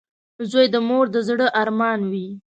• زوی د مور د زړۀ ارمان وي.